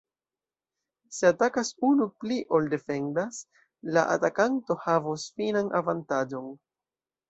Se atakas unu pli ol defendas, la atakanto havos finan avantaĝon.